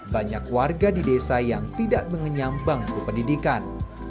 banyak warga di desa yang tidak mengenyambang kependidikan